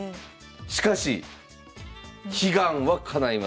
しかし悲願はかないます。